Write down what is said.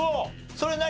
それ何？